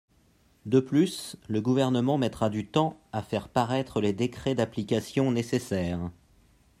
De plus, le Gouvernement mettra du temps à faire paraître les décrets d’application nécessaires.